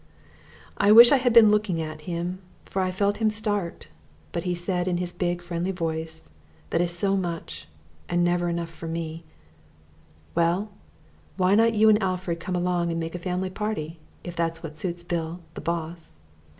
I wish I had been looking at him, for I felt him start, but he said in his big friendly voice that is so much and never enough for me "Well, why not you and Alfred come along and make it a family party, if that is what suits Bill, the boss?"